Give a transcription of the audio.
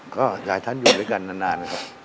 ก็หลายท่านอยู่ด้วยกันนานครับ